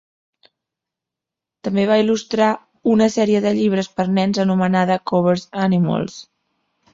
També va il·lustrar una sèrie de llibres per nens anomenada "Cober's Animals".